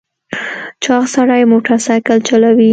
چاغ سړی موټر سایکل چلوي .